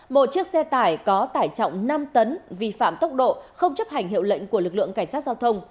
một chiếc xe tải có tải trọng năm tấn vi phạm tốc độ không chấp hành hiệu lệnh của lực lượng cảnh sát giao thông